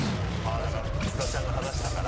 だから津田ちゃんが話したから。